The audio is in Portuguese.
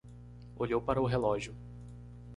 Olhou para o relógio